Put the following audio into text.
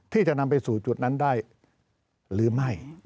ที่จะนำไปสู่จุดนั้นได้หรือไม่